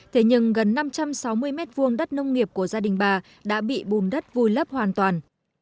thế nhưng gần năm trăm sáu mươi mét vuông đất nông nghiệp của gia đình bà đã bị bùm đất vùi lấp hoàn toàn